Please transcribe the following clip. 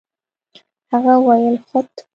هغه وويل خود.